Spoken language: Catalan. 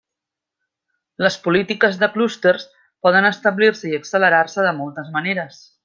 Les polítiques de clústers poden establir-se i accelerar-se de moltes maneres.